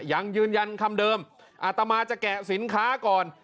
ยังยืนยันคำเดิมอาตมาจะแกะสินค้าก่อน